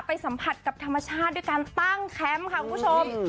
สัมผัสกับธรรมชาติด้วยการตั้งแคมป์ค่ะคุณผู้ชม